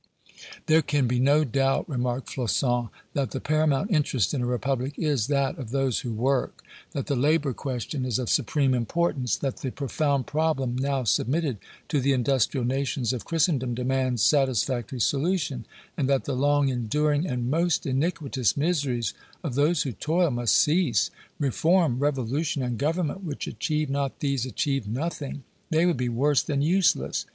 "There can be no doubt," remarked Flocon, "that the paramount interest in a republic is that of those who work, that the labor question is of supreme importance, that the profound problem now submitted to the industrial nations of Christendom demands satisfactory solution, and that the long enduring and most iniquitous miseries of those who toil must cease. Reform, revolution and government which achieve not these, achieve nothing! They would be worse than useless.